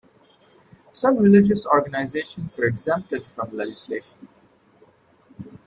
Some religious organizations are exempted from legislation.